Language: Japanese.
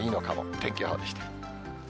天気予報でした。